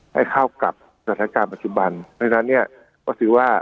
ให้เข้ากับสถานการณ์ปัจจุบันเพราะฉะนั้นเนี่ยก็ถือว่า